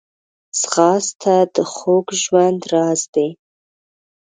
ځغاسته د خوږ ژوند راز دی